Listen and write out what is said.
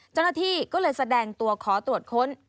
เจ้าหน้าที่ก็เลยแสดงตัวขอตรวจค้น